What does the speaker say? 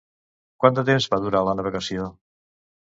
Quant de temps va durar la navegació?